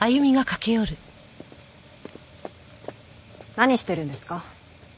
何してるんですか？